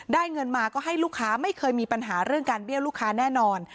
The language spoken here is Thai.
เงินมาก็ให้ลูกค้าไม่เคยมีปัญหาเรื่องการเบี้ยลูกค้าแน่นอน